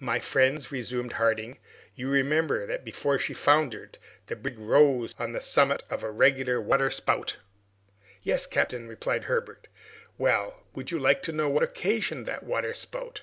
"My friends," resumed Harding, "you remember that before she foundered the brig rose on the summit of a regular waterspout?" "Yes, captain," replied Herbert. "Well, would you like to know what occasioned that waterspout?